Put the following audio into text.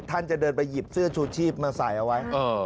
ท่านจะเดินไปหยิบเสื้อชูชีพมาใส่เอาไว้